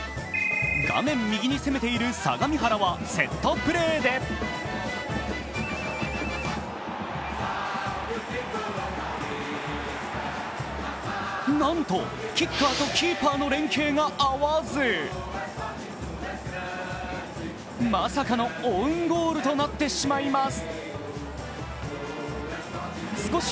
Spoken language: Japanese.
画面右に攻めている相模原はセットプレーでなんと、キッカーとキーパーの連係が合わずまさかのオウンゴールとなってしまいます。